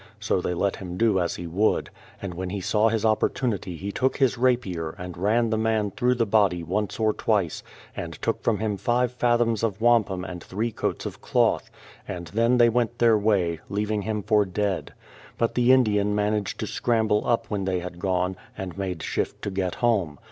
So they let him do as he would, and when he saw his opportunity he took his rapier and ran the man through the body once or twice, and took from him five fathoms of wampum and three coats of cloth; and then they went their way, leaving him for dead. But the Indian managed to scramble up when they had gone, and made shift to get home.